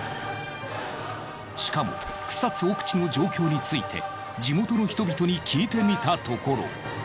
しかも草津奥地の状況について地元の人々に聞いてみたところ。